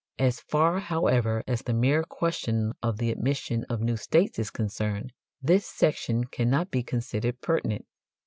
As far, however, as the mere question of the admission of new states is concerned, this section cannot be considered pertinent.